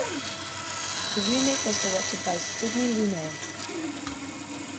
The remake was directed by Sidney Lumet.